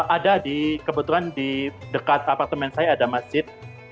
ada di kebetulan di dekat apartemen saya ada masjid